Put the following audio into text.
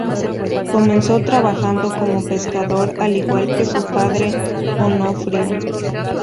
Comenzó trabajando como pescador, al igual que su padre Onofrio.